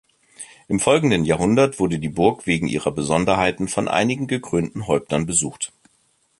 Im folgenden Jahrhundert wurde die Burg wegen ihrer Besonderheiten von einigen gekrönten Häuptern besucht.